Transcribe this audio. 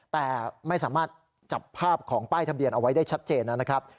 แต่ไม่สามารถจับภาพของป้ายทะเบียนเอาไว้ได้ชัดเจนนะครับ